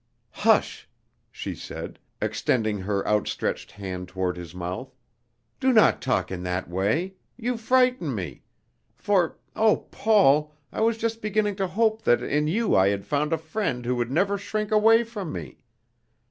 "Hush!" she said, extending her outstretched hand toward his mouth; "do not talk in that way; you frighten me; for, O Paul! I was just beginning to hope that in you I had found a friend who would never shrink away from me.